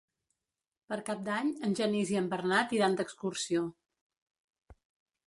Per Cap d'Any en Genís i en Bernat iran d'excursió.